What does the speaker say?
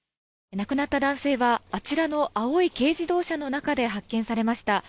亡くなった男性はあちらの青い軽自動車の中で発見されました。